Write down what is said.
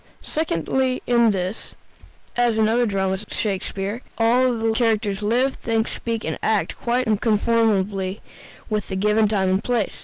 Secondly, in this, as in the other dramas of Shakespeare, all the characters live, think, speak, and act quite unconformably with the given time and place.